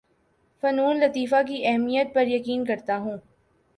فنون لطیفہ کی اہمیت پر یقین کرتا ہوں